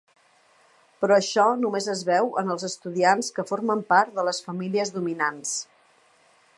Però això, només es veu en els estudiants que formen part de les famílies dominants.